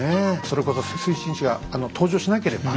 それこそ水心子が登場しなければ。